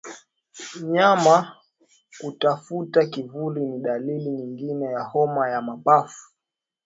Mnyama kutafuta kivuli ni dalili nyingine ya homa ya mapafu